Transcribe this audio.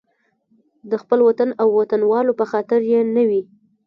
د خپل وطن او وطنوالو په خاطر یې نه وي.